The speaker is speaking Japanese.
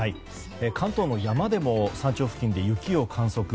関東の山でも山頂付近で雪を観測。